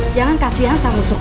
jangan kasihan sama musuh kamu